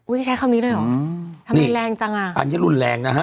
ใช้คำนี้เลยเหรออืมทำไมแรงจังอ่ะอันนี้รุนแรงนะฮะ